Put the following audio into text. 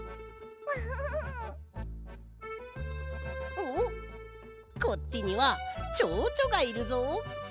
おっこっちにはチョウチョがいるぞ！